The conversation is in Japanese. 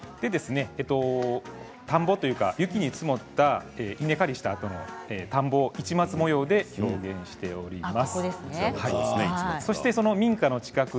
田んぼというか雪が積もった稲刈りした田んぼを市松模様で表現しています。